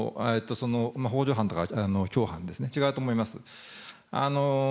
ほう助犯とか共犯ですね、違うと思います。